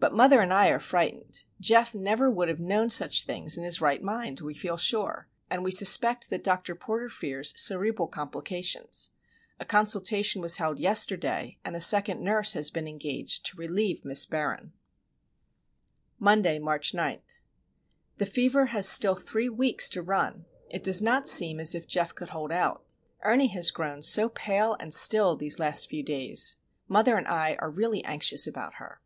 But mother and I are frightened. Geof never would have known such things in his right mind, we feel sure; and we suspect that Dr. Porter fears cerebral complications. A consultation was held yesterday, and a second nurse has been engaged to relieve Miss Barron. Monday, March 9. The fever has still three weeks to run. It does not seem as if Geof could hold out. Ernie has grown so pale and still these last few days. Mother and I are really anxious about her.